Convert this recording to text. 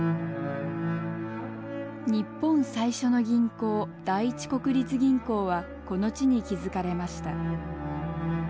日本最初の銀行第一国立銀行はこの地に築かれました。